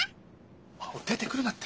出てくるなって！